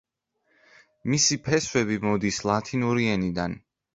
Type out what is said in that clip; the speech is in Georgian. მისი ფესვები მოდის ლათინური ენიდან.